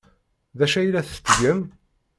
D acu ay la tettgem?